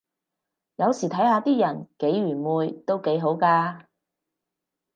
有時睇下啲人幾愚昧都幾好咖